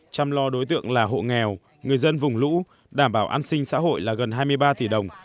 chăm lo đối tượng là hộ nghèo người dân vùng lũ đảm bảo an sinh xã hội là gần hai mươi ba tỷ đồng